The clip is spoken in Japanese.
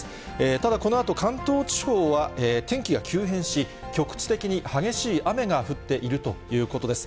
ただこのあと、関東地方は天気が急変し、局地的に激しい雨が降っているということです。